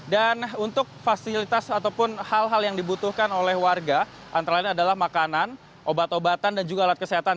dan untuk fasilitas ataupun hal hal yang dibutuhkan oleh warga antara lainnya adalah makanan obat obatan dan juga alat kesehatan